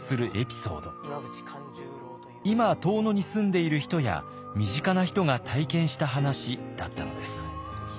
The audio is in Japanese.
今遠野に住んでいる人や身近な人が体験した話だったのです。